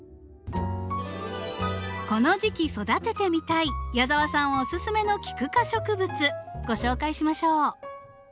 この時期育ててみたい矢澤さんおすすめのキク科植物ご紹介しましょう。